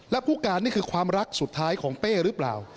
และผู้การนี่คือความรักสุดท้ายของเป้หรือเปล่า